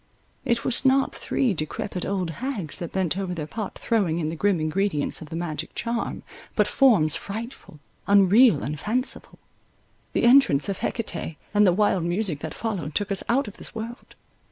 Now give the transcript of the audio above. It was not three decrepid old hags that bent over their pot throwing in the grim ingredients of the magic charm, but forms frightful, unreal, and fanciful. The entrance of Hecate, and the wild music that followed, took us out of this world.